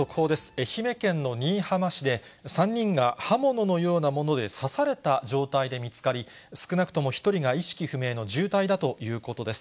愛媛県の新居浜市で、３人が刃物のようなもので刺された状態で見つかり、少なくとも１人が意識不明の重体だということです。